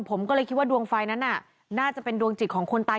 ผมก็เลยคิดว่าดวงไฟนั้นน่ะน่าจะเป็นดวงจิตของคนตาย